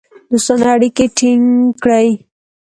دوستانه اړیکې ټینګ کړې.